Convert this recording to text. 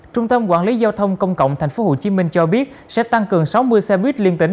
trung tâm quản lý giao thông công cộng tp hcm cho biết sẽ tăng cường sáu mươi xe buýt liên tỉnh